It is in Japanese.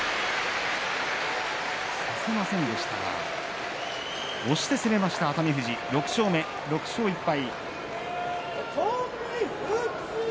差せませんでしたが押して攻めました熱海富士６勝目、６勝１敗。